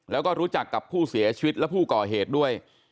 แล้วก็รู้จักกับผู้เสียชีวิตและผู้ก่อเหตุด้วย